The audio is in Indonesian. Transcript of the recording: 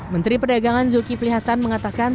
menteri perdagangan zulkifli hasan mengatakan